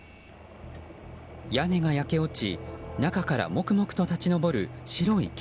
屋根が焼け落ち、中からもくもくと立ち上る白い煙。